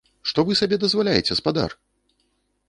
Што вы сабе дазваляеце, спадар?